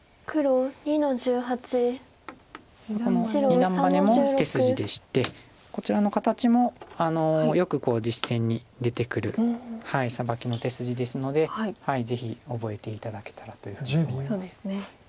二段バネも手筋でしてこちらの形もよく実戦に出てくるサバキの手筋ですのでぜひ覚えて頂けたらというふうに思います。